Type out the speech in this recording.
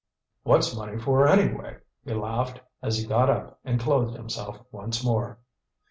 "What's money for, anyway!" he laughed, as he got up and clothed himself once more.